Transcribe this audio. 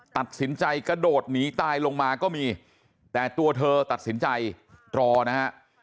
ตัดสินใจกระโดดหนีตายลงมาก็มีแต่ตัวเธอตัดสินใจรอนะฮะ